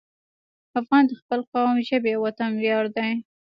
افغان د خپل قوم، ژبې او وطن ویاړ دی.